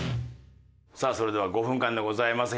さあそれでは５分間でございます。